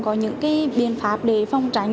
có những cái biện pháp để phòng tránh